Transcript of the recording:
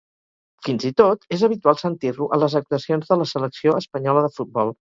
Fins i tot, és habitual sentir-lo a les actuacions de la Selecció Espanyola de Futbol.